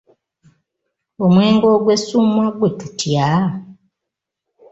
Omwenge ogwessuumwa gwe tutya?